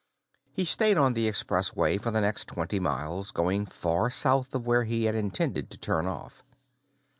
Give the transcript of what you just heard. He stayed on the Expressway for the next twenty miles, going far north of where he had intended to turn off.